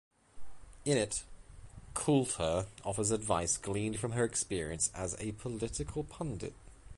In it, Coulter offers advice gleaned from her experience as a political pundit.